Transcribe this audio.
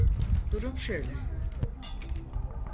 Durum şöyle.